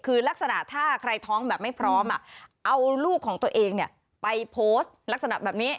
คือลักษณะถ้าใครท้องแบบไม่พร้อมเอาลูกของตัวเองไปโพสต์ลักษณะแบบนี้